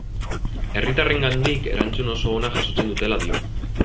Herritarrengandik erantzun oso ona jasotzen dutela dio.